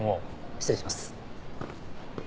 失礼します。